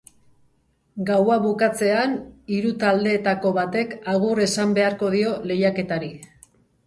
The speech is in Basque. Gaua bukatzean, hiru taldeetako batek agur esan beharko dio lehiaketari.